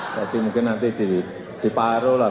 jadi mungkin nanti diparol lah